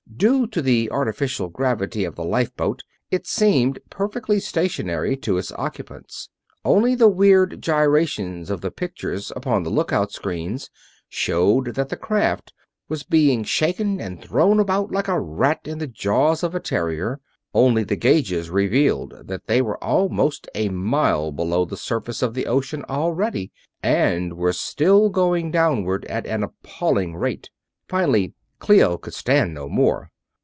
Due to the artificial gravity of the lifeboat it seemed perfectly stationary to its occupants. Only the weird gyrations of the pictures upon the lookout screens showed that the craft was being shaken and thrown about like a rat in the jaws of a terrier; only the gauges revealed that they were almost a mile below the surface of the ocean already, and were still going downward at an appalling rate. Finally Clio could stand no more.